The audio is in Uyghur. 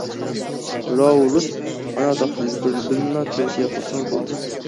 راۋرۇس ئانا تاختىدىن بىرنىلا تەۋسىيە قىلسىڭىز بولدى.